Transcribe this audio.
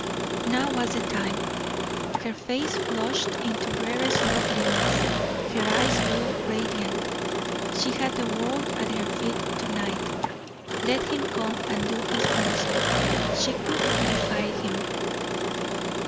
Now was the time! Her face flushed into rarest loveliness; her eyes grew radiant. She had the world at her feet to night. Let him come and do his worst; she could defy him.